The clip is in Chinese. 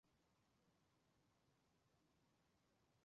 冷链品质指标所订定的统一规范准则。